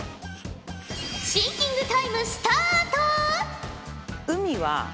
シンキングタイムスタート！